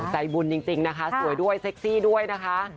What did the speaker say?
ใจบุญจริงนะคะสวยด้วยเซ็กซี่ด้วยนะคะ